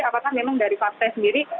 apakah memang dari partai sendiri